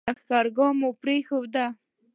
لښکرګاه مو پرېښوده.